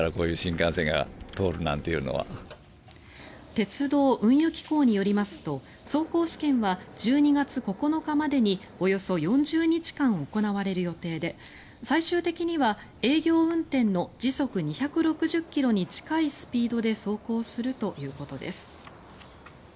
鉄道・運輸機構によりますと走行試験は１２月９日までにおよそ４０日間行われる予定で最終的には営業運転の時速２６０ｋｍに近いスピードで走行するということです。